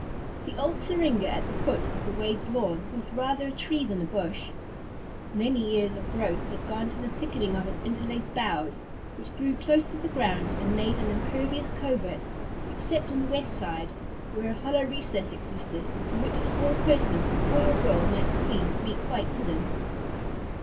The old syringa at the foot of the Wade's lawn was rather a tree than a bush. Many years of growth had gone to the thickening of its interlaced boughs, which grew close to the ground, and made an impervious covert, except on the west side, where a hollow recess existed, into which a small person, boy or girl, might squeeze and be quite hidden.